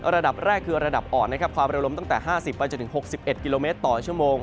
ระดับอ่อนความแล้วลมตั้งแต่๕๐กว่าจะถึง๖๑กิโลเมตรต่อชั่วโมง